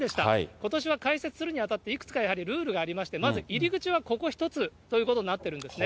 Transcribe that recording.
ことしは開設するにあたっていくつかやはりルールがありまして、まず、入り口はここ１つということになってるんですね。